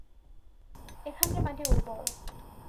এখানের মাটি উর্বর।